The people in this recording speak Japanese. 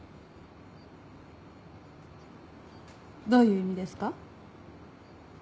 どういう意味ですか？